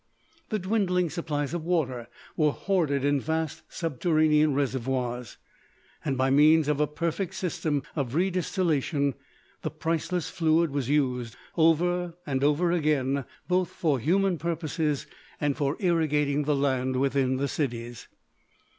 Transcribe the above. The dwindling supplies of water were hoarded in vast subterranean reservoirs, and, by means of a perfect system of redistillation, the priceless fluid was used over and over again both for human purposes and for irrigating the land within the cities.